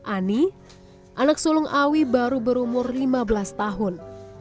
ani anak sulung awi baru berumur lima belas tahun